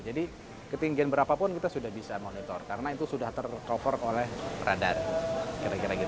jadi ketinggian berapa pun kita sudah bisa monitor karena itu sudah ter cover oleh radar kira kira gitu